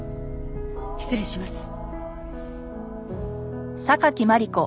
失礼します。